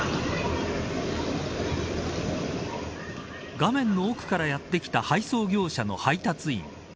画面の奥からやってきた配送業者の配達員。